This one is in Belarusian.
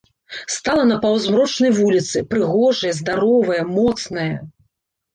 Стала на паўзмрочнай вулiцы - прыгожая, здаровая, моцная.